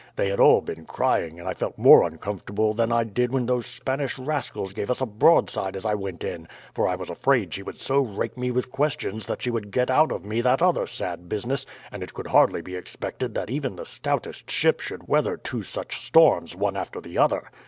They had all been crying, and I felt more uncomfortable than I did when those Spanish rascals gave us a broadside as I went in, for I was afraid she would so rake me with questions that she would get out of me that other sad business; and it could hardly be expected that even the stoutest ship should weather two such storms, one after the other.